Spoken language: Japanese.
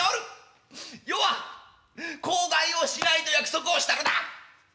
余は口外をしないと約束をしたのだ！